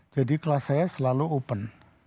jadi kelas saya selalu open